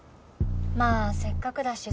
まあせっかくだし